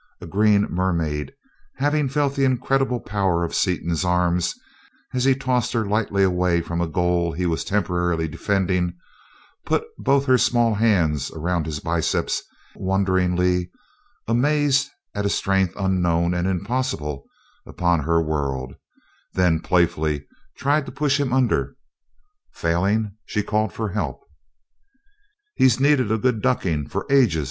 A green mermaid, having felt the incredible power of Seaton's arms as he tossed her lightly away from a goal he was temporarily defending, put both her small hands around his biceps wonderingly, amazed at a strength unknown and impossible upon her world; then playfully tried to push him under. Failing, she called for help. "He's needed a good ducking for ages!"